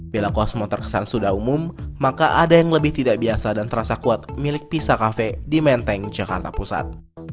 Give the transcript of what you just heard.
bila kosmo terkesan sudah umum maka ada yang lebih tidak biasa dan terasa kuat milik pisa kafe di menteng jakarta pusat